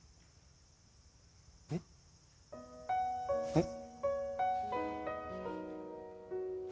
えっ？えっ？